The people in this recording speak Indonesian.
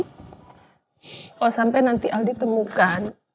kalo sampe nanti al ditemukan